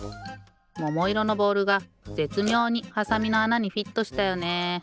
ももいろのボールがぜつみょうにはさみのあなにフィットしたよね。